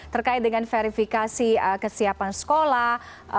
terkait dengan verifikasi kesiapan sekolah